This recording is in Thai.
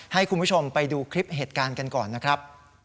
ให้คุณผู้ชมไปดูคลิปเหตุการณ์กันก่อนนะครับ